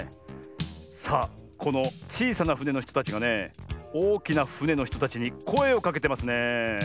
さあこのちいさなふねのひとたちがねおおきなふねのひとたちにこえをかけてますね。